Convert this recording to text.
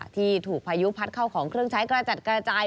ที่ถูกพายุพัดเข้าของเครื่องใช้กระจัดกระจาย